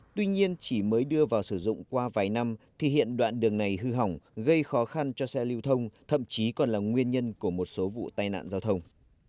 tuy nhiên chỉ mới đưa vào sử dụng qua vài năm thì hiện đoạn đường này hư hỏng gây khó khăn cho xe lưu thông thậm chí còn là nguyên nhân của một số vụ tai nạn giao thông